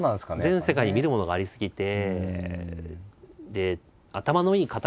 全世界に見るものがありすぎて。